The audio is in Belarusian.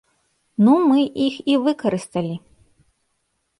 Ну мы іх і выкарысталі.